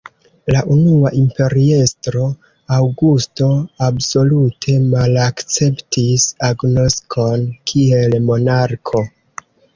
La unua imperiestro, Aŭgusto, absolute malakceptis agnoskon kiel monarko.